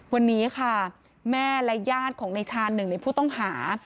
วันนี้ค่ะแม่และญาติของในชาญหนึ่งในผู้ต้องหา